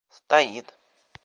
стоит